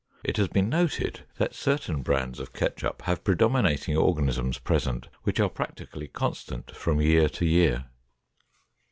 It has been noted that certain brands of ketchup have predominating organisms present which are practically constant from year to year.